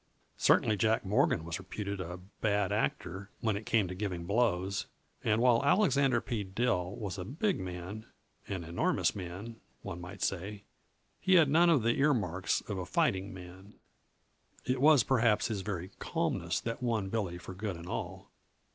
Certainly Jack Morgan was reputed a "bad actor" when it came to giving blows. And while Alexander P. Dill was a big man an enormous man, one might say he had none of the earmarks of a fighting man. It was, perhaps, his very calmness that won Billy for good and all.